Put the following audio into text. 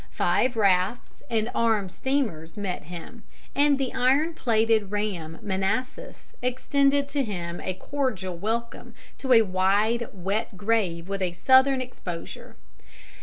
Five rafts and armed steamers met him, and the iron plated ram Manassas extended to him a cordial welcome to a wide wet grave with a southern exposure.